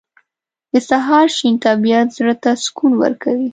• د سهار شین طبیعت زړه ته سکون ورکوي.